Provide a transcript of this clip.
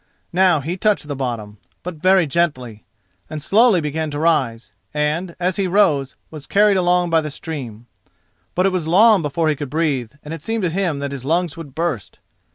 Now he touched the bottom, but very gently, and slowly began to rise, and, as he rose, was carried along by the stream. But it was long before he could breathe, and it seemed to him that his lungs would burst.